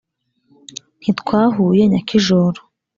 Ntitwahuye nyakijoro ,